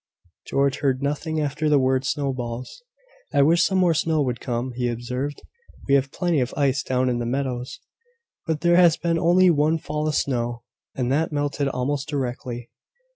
George heard nothing after the word "snowballs." "I wish some more snow would come," he observed. "We have plenty of ice down in the meadows, but there has been only one fall of snow, and that melted almost directly."